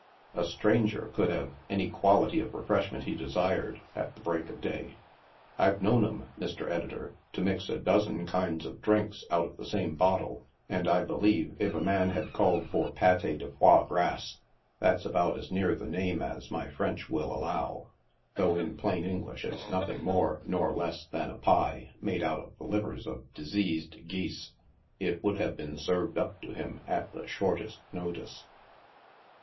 A stranger could have any quality of refreshment he de sired at the Break of Day ; I've known 'em, Mr. Editor, to mix a dozen kinds of drinks out of the same bottle, and I believe if a man had called for pate defois grass — that's about as near the name as my French will allow, though in plain English, it's nothing more nor less than a pic, made out of the livers of diseased geese — it would have been served up to him at the shortest notice.